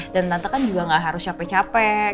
dan tante kan juga gak harus capek capek